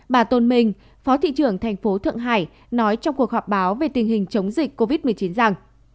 bà tôn mình phó thị trưởng thành phố thượng hải nói trong cuộc họp báo về tình hình chống dịch covid một mươi chín rằng